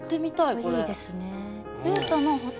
これいいですね。